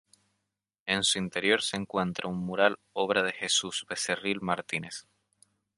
En su interior se encuentra un mural obra de Jesús Becerril Martínez.